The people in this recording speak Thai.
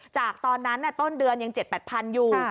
จากตอนนั้นเนี่ยต้นเดือนยัง๗๐๐๐๘๐๐๐อยู่